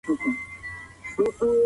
پوه انسان په مسایلو کي ښه تحلیل کوي.